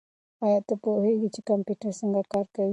ایا ته پوهېږې چې کمپیوټر څنګه کار کوي؟